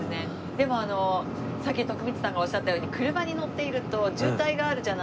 でもあのさっき徳光さんがおっしゃったように車に乗っていると渋滞があるじゃないですか。